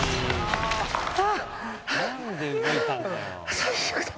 最悪だ。